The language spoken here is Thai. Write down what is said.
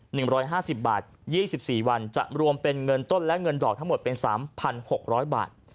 หนึ่งร้อยห้าสิบบาทยี่สิบสี่วันจะรวมเป็นเงินต้นและเงินดอกทั้งหมดเป็นสามพันหกร้อยบาท